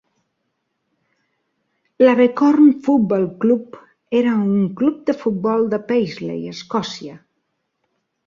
L'Abercorn Football Club era un club de futbol de Paisley, Escòcia.